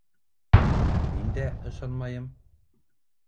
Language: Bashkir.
Мин дә... ышанмайым.